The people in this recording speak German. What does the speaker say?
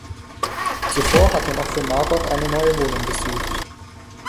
Zuvor hat er noch für Margot eine neue Wohnung gesucht.